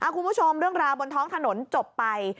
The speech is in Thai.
คุณผู้ชมเรื่องราวบนท้องถนนจบไป